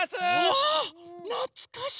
わなつかしい！